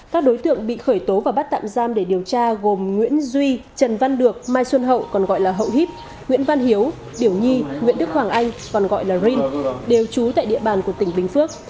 các đối tượng bị khởi tố và bắt tạm giam để điều tra gồm nguyễn duy trần văn được mai xuân hậu còn gọi là hậu hít nguyễn văn hiếu điểu nhi nguyễn đức hoàng anh còn gọi là rin đều trú tại địa bàn của tỉnh bình phước